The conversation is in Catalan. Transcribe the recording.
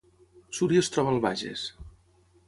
Súria es troba al Bages